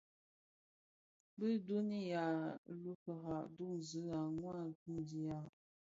Bi duň yi a lufira, duñzi a mwadingusha,